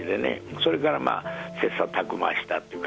それから切さたく磨したっていうか。